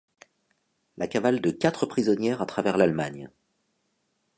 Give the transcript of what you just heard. La cavale de quatre prisonnières à travers l'Allemagne.